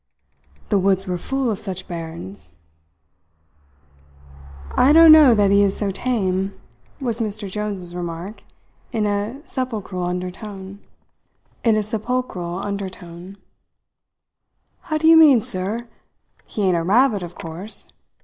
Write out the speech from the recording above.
The woods were full of such barons. "I don't know that he is so tame," was Mr. Jones's remark, in a sepulchral undertone. "How do you mean, sir? He ain't a rabbit, of course.